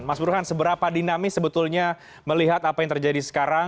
mas burhan seberapa dinamis sebetulnya melihat apa yang terjadi sekarang